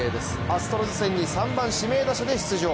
アストロズ戦に３番・指名打者で出場。